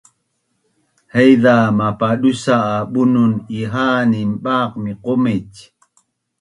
haiza mapadusa’ a bunun iha’anin baq miqomic